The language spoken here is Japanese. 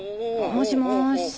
もしもーし。